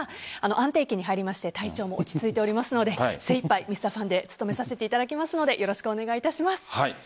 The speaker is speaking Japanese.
安定期に入りまして体調も落ち着いておりますので精いっぱい「Ｍｒ．サンデー」務めさせていただきますのでよろしくお願いいたします。